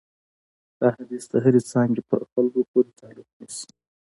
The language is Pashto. دا حدیث د هرې څانګې په خلکو پورې تعلق نیسي.